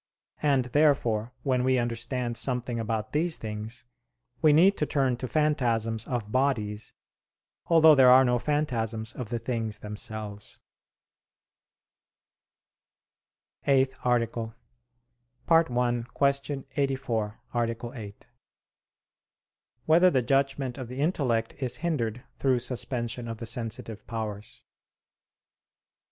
And, therefore, when we understand something about these things, we need to turn to phantasms of bodies, although there are no phantasms of the things themselves. _______________________ EIGHTH ARTICLE [I, Q. 84, Art. 8] Whether the Judgment of the Intellect Is Hindered Through Suspension of the Sensitive Powers?